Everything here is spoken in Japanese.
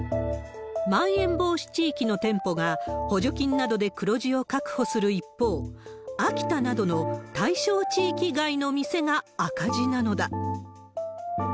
まん延防止地域の店舗が、補助金などで黒字を確保する一方、秋田などの対象地域外の店が赤字なのだ。